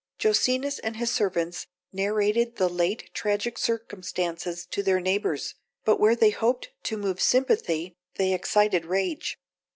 Jocenus and his servants narrated the late tragic circumstances to their neighbours, but where they hoped to move sympathy they excited rage.